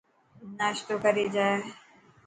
ناشتوي ڪري جائي.